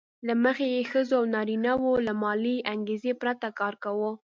له مخې یې ښځو او نارینه وو له مالي انګېزې پرته کار کاوه